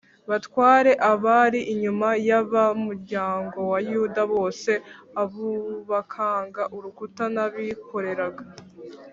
batware a bari inyuma y ab umuryango wa Yuda bose Abubakaga urukuta n abikoreraga